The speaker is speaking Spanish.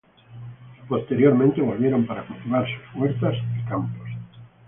Posteriormente volvieron para cultivar sus huertas y campos.